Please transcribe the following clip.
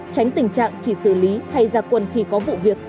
tránh tình trạng chỉ xử lý hay gia quân khi có vụ việc